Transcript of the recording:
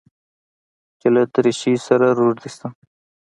چې له دريشۍ سره روږدى سم.